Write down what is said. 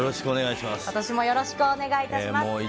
よろしくお願いします。